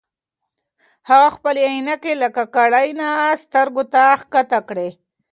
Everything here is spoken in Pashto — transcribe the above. هغه خپلې عینکې له ککرۍ نه سترګو ته ښکته کړې.